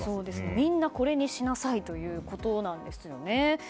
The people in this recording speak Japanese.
みんなこれにしなさいということなんですよね。